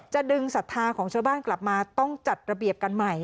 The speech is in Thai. จะดึงศรัทธาของชาวบ้านกลับมาต้องจัดระเบียบกันใหม่